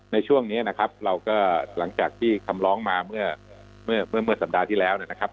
ในช่วงนี้นะครับเราก็หลังจากที่คำร้องมาเมื่อเมื่อสัปดาห์ที่แล้วนะครับ